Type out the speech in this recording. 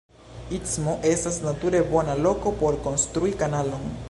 Istmo estas nature bona loko por konstrui kanalon.